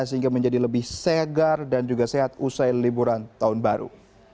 sehingga menjadi lebih segar dan juga sehat usai liburan tahun baru